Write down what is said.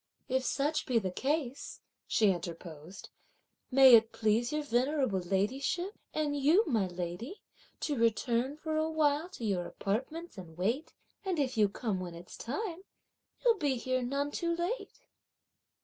"If such be the case," she interposed, "may it please your venerable ladyship, and you, my lady, to return for a while to your apartments, and wait; and if you come when it's time you'll be here none too late."